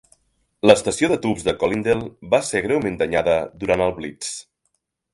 L'estació de tubs de Colindale va ser greument danyada durant el Blitz.